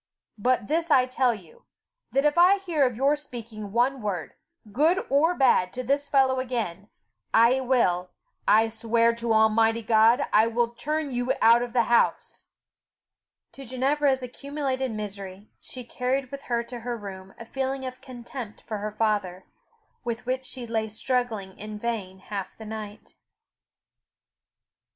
But this I tell you, that if I hear of your speaking one word, good or bad, to the fellow again, I will, I swear to Almighty God, I will turn you out of the house." To Ginevra's accumulated misery, she carried with her to her room a feeling of contempt for her father, with which she lay struggling in vain half the night.